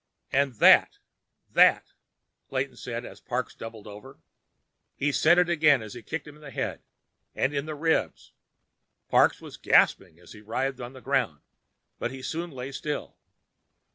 "And that, that—" Clayton said as Parks doubled over. He said it again as he kicked him in the head. And in the ribs. Parks was gasping as he writhed on the ground, but he soon lay still.